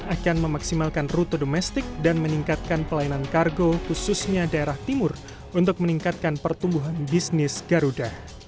akan memaksimalkan rute domestik dan meningkatkan pelayanan kargo khususnya daerah timur untuk meningkatkan pertumbuhan bisnis garuda